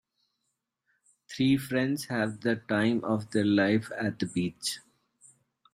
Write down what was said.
Three friends have the time of their life at the beach.